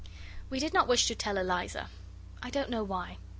We did not wish to tell Eliza I don't know why.